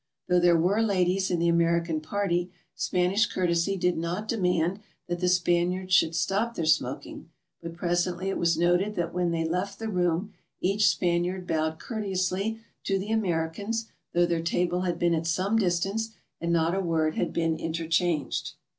Though there were ladies in the American party, Spanish courtesy did not demand that the Spaniards should stop their smoking, but presently it was noted that when they left the room, each Spaniard bowed courteously to the Amer icans, though their table had been at some distance and not a word had been interchanged.